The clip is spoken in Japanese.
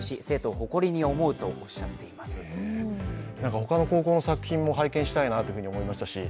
他の高校の作品も拝見したいなと思いました、